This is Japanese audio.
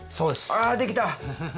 あできた！